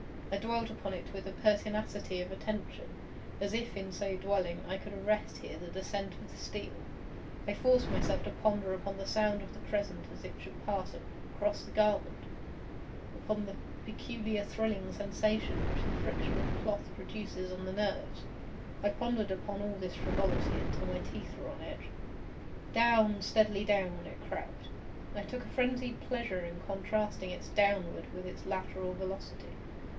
I dwelt upon it with a pertinacity of attention—as if, in so dwelling, I could arrest here the descent of the steel. I forced myself to ponder upon the sound of the crescent as it should pass across the garment—upon the peculiar thrilling sensation which the friction of cloth produces on the nerves. I pondered upon all this frivolity until my teeth were on edge. Down—steadily down it crept. I took a frenzied pleasure in contrasting its downward with its lateral velocity.